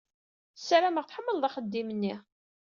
Ssarameɣ tḥemmleḍ axeddim-nni.